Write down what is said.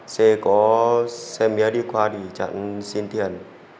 một mươi bốn c có xe mía đi qua thì chặn xin tiền